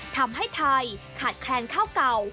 ทำให้ไทยขาดแคลนข้าวเก่า